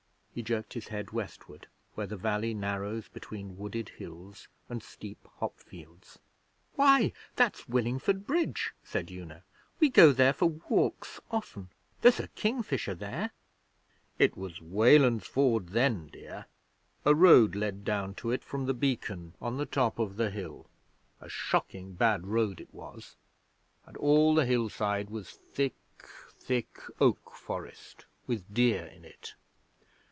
He jerked his head westward, where the valley narrows between wooded hills and steep hop fields. 'Why, that's Willingford Bridge,' said Una. 'We go there for walks often. There's a kingfisher there.' 'It was Weland's Ford then, dear. A road led down to it from the Beacon on the top of the hill a shocking bad road it was and all the hillside was thick, thick oak forest, with deer in it.